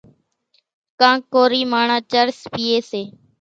ڪانڪ ڪورِي ماڻۿان چرس پيئيَ سي۔